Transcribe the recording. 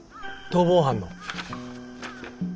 逃亡犯の。